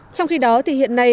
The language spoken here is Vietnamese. trong khi đó thì hiện nay